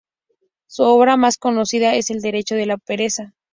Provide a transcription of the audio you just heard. Su obra más conocida es "El derecho a la pereza".